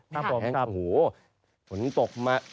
หัวหนึ่งปลดมา